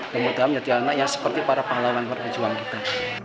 semoga menjadi anak yang seperti para pahlawan para pejuang kita